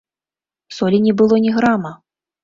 Солі не было ні грама.